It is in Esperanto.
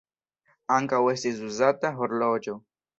Ankaŭ estis uzata horloĝo.